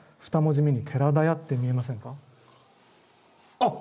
あっ！